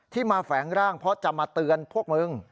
มาแฝงร่างเพราะจะมาเตือนพวกมึง